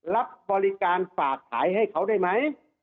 รับบริการฝากขายให้เขาได้ไหม